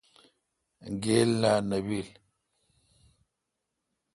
گیل لا نہ بیل۔